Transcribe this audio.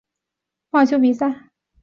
主要是主办管理业余的棒球比赛。